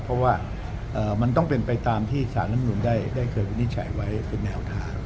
เพราะว่ามันต้องเป็นไปตามที่สารรัฐมนุนได้เคยวินิจฉัยไว้เป็นแนวทาง